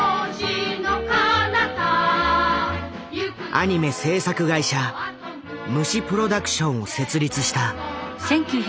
アニメ制作会社「虫プロダクション」を設立した。